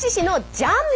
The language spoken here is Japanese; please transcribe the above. ジャン麺。